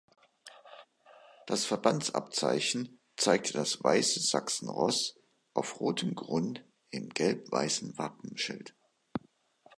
Das Verbandsabzeichen zeigte das weiße Sachsenross auf rotem Grund im gelb-weißen Wappenschild.